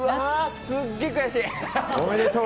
すっげえ悔しい。